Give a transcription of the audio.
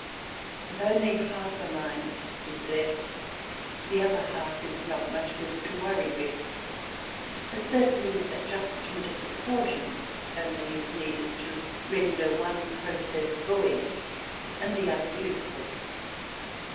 If only half a mind is left, the other half is not much good to worry with. A certain adjustment of the proportions only is needed to render one process void and the other useful.